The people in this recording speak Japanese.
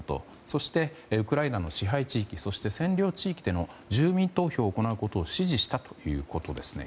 そして、ウクライナの支配地域占領地域での住民投票を行うことを指示したということですね。